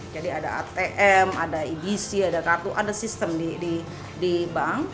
jadi ada atm ada ebc ada kartu ada sistem di bank